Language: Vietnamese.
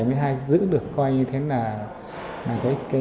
và giữ được coi như thế là thu nhập của người dân